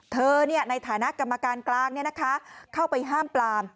เธอนี่ในฐานะกรรมการกลางเนี่ยนะคะเข้าไปห้ามปลาม